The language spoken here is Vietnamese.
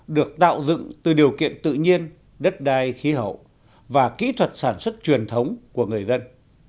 được tạo dựng từ điều kiện tự nhiên đất đai khí hậu và kỹ thuật sản xuất truyền thống của người dân